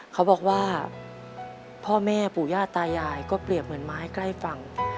เขาบอกว่าพ่อแม่ปู่ย่าตายายก็เปรียบเหมือนไม้ใกล้ฝั่ง